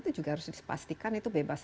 itu juga harus dipastikan itu bebas